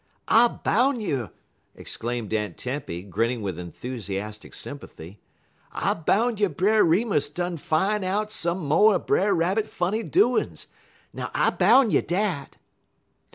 "I boun' you," exclaimed Aunt Tempy, grinning with enthusiastic sympathy, "I boun' you Brer Remus done fine out some mo' er Brer Rabbit funny doin's; now I boun' you dat."